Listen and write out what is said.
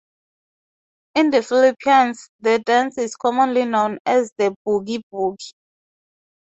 In the Philippines, the dance is commonly known as the "Boogie Boogie".